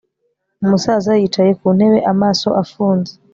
umusaza yicaye ku ntebe amaso afunze